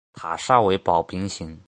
塔刹为宝瓶形。